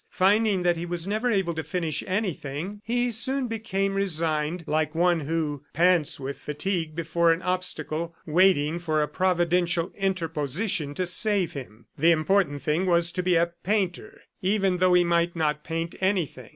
Finding that he was never able to finish anything, he soon became resigned, like one who pants with fatigue before an obstacle waiting for a providential interposition to save him. The important thing was to be a painter ... even though he might not paint anything.